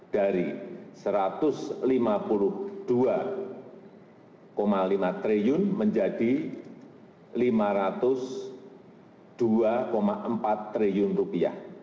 dari satu ratus lima puluh dua lima triliun menjadi lima ratus dua empat triliun rupiah